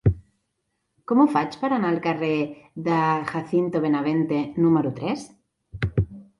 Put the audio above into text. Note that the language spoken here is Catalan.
Com ho faig per anar al carrer de Jacinto Benavente número tres?